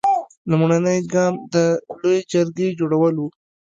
لومړنی ګام د لویې جرګې جوړول و.